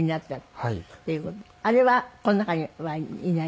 あれはこの中にはいない？